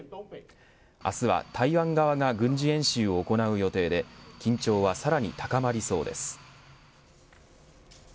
明日は台湾側が軍事演習を行う予定で緊張はさらに高まりそうです。